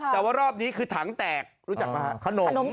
แต่ว่ารอบนี้คือถังแตกรู้จักไหมฮะขนม